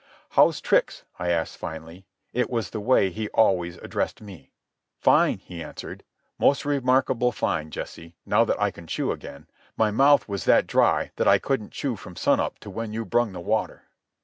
"How's tricks?" I asked finally. It was the way he always addressed me. "Fine," he answered. "Most remarkable fine, Jesse, now that I can chew again. My mouth was that dry that I couldn't chew from sun up to when you brung the water."